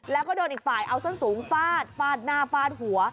แล้วก็โดนอีกฝ่ายเอาส้นสูงฟาดฟาดหน้าฟาดหัว